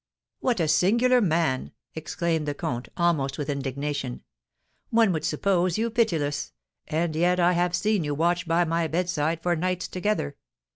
"What a singular man!" exclaimed the comte, almost with indignation. "One would suppose you pitiless, and yet I have seen you watch by my bedside for nights together.